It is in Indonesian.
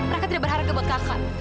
mereka tidak berharga buat kakak